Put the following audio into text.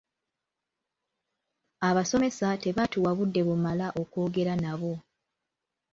Abasomesa tebaatuwa budde bumala okwogera nabo.